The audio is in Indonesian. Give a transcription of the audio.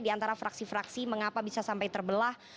di antara fraksi fraksi mengapa bisa sampai terbelah